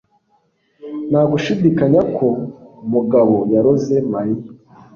nta gushidikanya ko mugabo yaroze mariya